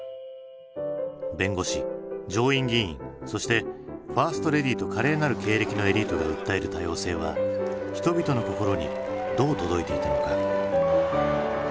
弁護士上院議員そしてファーストレディーと華麗なる経歴のエリートが訴える多様性は人々の心にどう届いていたのか？